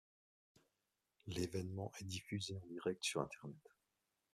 L’événement est diffusé en direct sur internet.